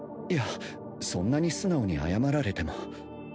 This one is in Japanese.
いやそんなに素直に謝られても